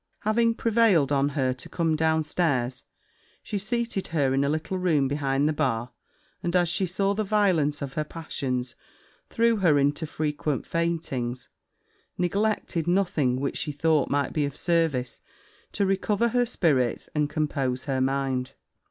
Having prevailed on her to come down stairs, she seated her in a little room behind the bar; and as she saw the violence of her passions threw her into frequent faintings, neglected nothing which she thought might be of service to recover her spirits and compose her mind.